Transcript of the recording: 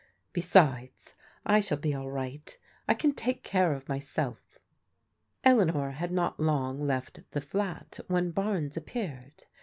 Besides, I shall be all right ; I can take care of myself." Eleanor had not long left the flat when Barnes ap peared.